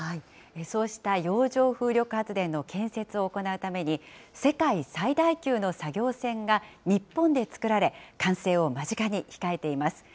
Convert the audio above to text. そうした洋上風力発電の建設を行うために、世界最大級の作業船が日本で造られ、完成を間近に控えています。